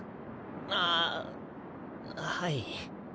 あっはい。